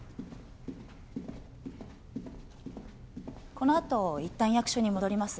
このあと一旦役所に戻ります。